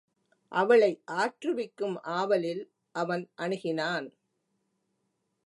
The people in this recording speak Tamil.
அவளை ஆற்று விக்கும் ஆவலில் அவன் அணுகினான்.